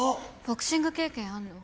ボクシング経験あるの？